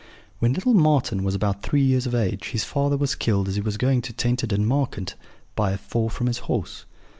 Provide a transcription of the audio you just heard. "When little Marten was about three years of age his father was killed as he was going to Tenterden market by a fall from his horse.